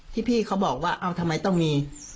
ที่พี่เขาบอกว่าทำไมต้องมี